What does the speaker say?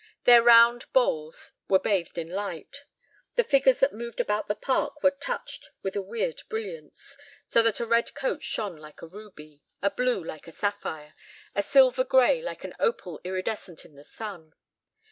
Their round boles were bathed in light. The figures that moved about the park were touched with a weird brilliance, so that a red coat shone like a ruby, a blue like a sapphire, a silver gray like an opal iridescent in the sun.